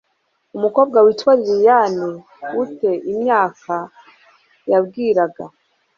Umukobwa witwa Liliana u te imyaka yabwiraga